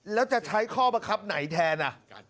แล้วจะใช้ข้อบังคับไหนแทน